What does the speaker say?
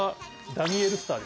ダニエル・スター。